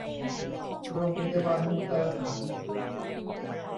โรงพยาบาลมุกดาหาร